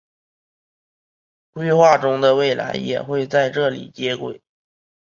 规划中的未来也会在这里接轨。